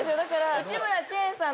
内村チェンさん